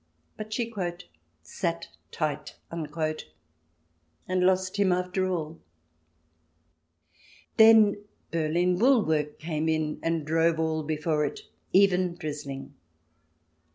But she " sat tight " and lost him after all ! Then Berlin wool work came in and drove all before it — even " drizzling."